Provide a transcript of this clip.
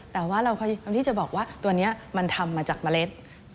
แต่ว่าเราพยายามที่จะบอกว่าตัวนี้มันทำมาจากเมล็ด